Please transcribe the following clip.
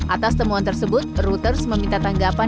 atas temuan tersebut reuters meminta tanggapan